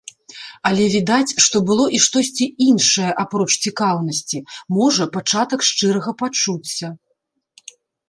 Але відаць, што было і штосьці іншае апроч цікаўнасці, можа, пачатак шчырага пачуцця.